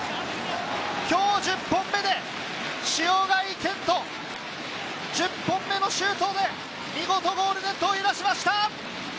今日１０本目で塩貝健人、１０本目のシュートで見事、ゴールネットを揺らしました。